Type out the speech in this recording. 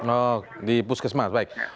oh di puskesmas baik